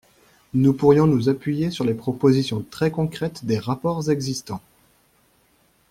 Nous pourrions nous appuyer sur les propositions très concrètes des rapports existants.